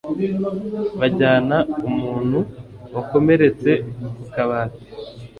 Bajyana umuntu wakomeretse ku kabati.